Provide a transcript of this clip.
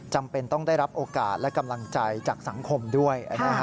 จำเป็นต้องได้รับโอกาสและกำลังใจจากสังคมด้วย